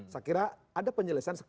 saya kira ada penjelasan